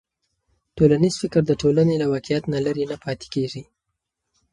ټولنیز فکر د ټولنې له واقعیت نه لرې نه پاتې کېږي.